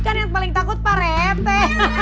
kan yang paling takut pak rete